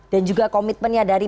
dan juga komitmennya dari